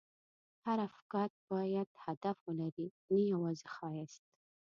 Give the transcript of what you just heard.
هر افکت باید هدف ولري، نه یوازې ښایست.